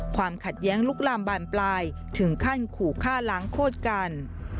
ความขัดแย้งลุกลามบานปลายถึงขั้นขู่ฆ่าล้างโคตรกัน